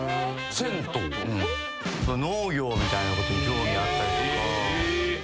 銭湯？みたいなことに興味あったりとか。